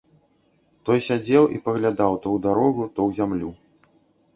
Той сядзеў і паглядаў то ў дарогу, то ў зямлю.